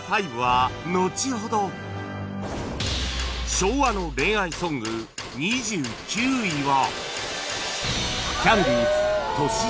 昭和の恋愛ソング２９位は